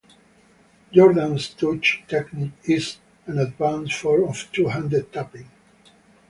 Jordan's touch technique is an advanced form of two-handed tapping.